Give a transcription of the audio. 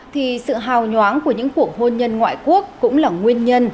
thì sự hào nhoáng của những cuộc hôn nhân ngoại quốc cũng là nguyên nhân